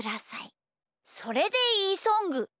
「それでいいソング」。